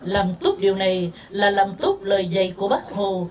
làm tốt điều này là làm tốt lời dạy của bác hồ